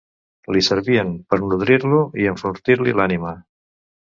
Li servien pera nodrir-lo i enfortir-li l'ànima